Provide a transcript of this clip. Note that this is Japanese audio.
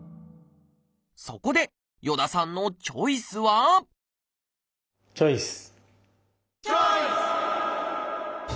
そこで与田さんのチョイスはチョイス！